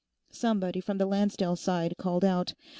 somebody from the Lancedale side called out.